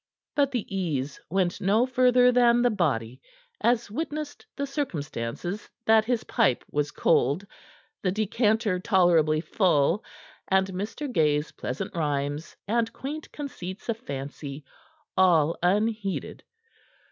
But the ease went no further than the body, as witnessed the circumstances that his pipe was cold, the decanter tolerably full, and Mr. Gay's pleasant rhymes and quaint conceits of fancy all unheeded.